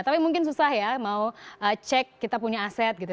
tapi mungkin susah ya mau cek kita punya aset gitu